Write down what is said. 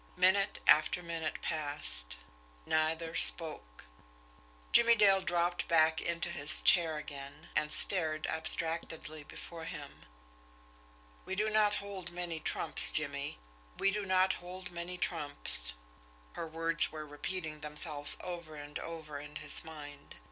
Minute after minute passed. Neither spoke. Jimmie Dale dropped back into his chair again, and stared abstractedly before him. "We do not hold many trumps, Jimmie we do not hold many trumps" her words were repeating themselves over and over in his mind.